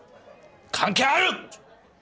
関係ある！